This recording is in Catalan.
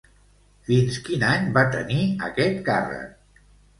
Fins quin any va tenir aquest càrrec?